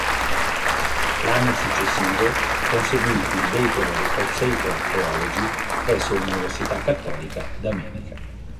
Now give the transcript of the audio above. L'anno successivo conseguì il Bachelor of Sacred Theology presso l'Università Cattolica d'America.